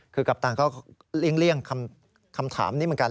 คือกัปตันก็เลี่ยงคำถามนี้เหมือนกัน